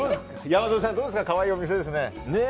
山添さん、どうですか可愛いお店ですね。